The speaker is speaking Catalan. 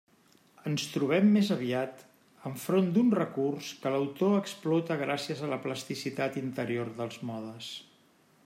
Ens trobem més aviat enfront d'un recurs que l'autor explota gràcies a la plasticitat interior dels modes.